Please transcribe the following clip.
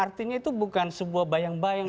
artinya itu bukan sebuah bayang bayang